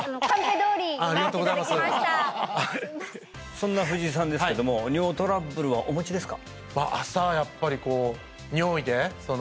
そんな藤井さんですけども尿トラブルはお持ちですか？